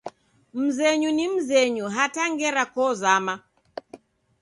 Mzenyu ni mzenyu, hata ngera kozama